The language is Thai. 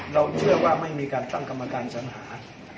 เราเชื่อว่าไม่มีการตั้งกรรมการสัญหา